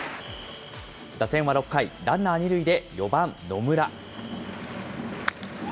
打線は６回、ランナー２塁で４番野村。